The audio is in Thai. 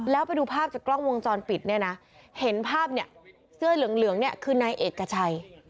แล้วไปดูภาพจากกล้องวงจรปิดเนี่ยนะเห็นภาพเนี่ยเสื้อเหลืองเนี่ยคือนายเอกชัย